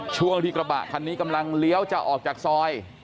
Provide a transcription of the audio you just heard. ช่วงที่กระบะคันนี้กำลังเลี้ยวจะออกจากซอย